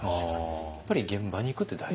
やっぱり現場に行くって大事？